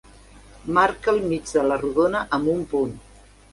Marca el mig de la rodona amb un punt.